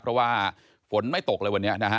เพราะว่าฝนไม่ตกเลยวันนี้นะฮะ